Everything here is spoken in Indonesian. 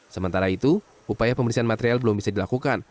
sementara itu upaya pembersihan material belum bisa dilakukan